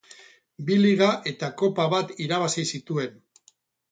Bi liga eta kopa bat irabazi zituen.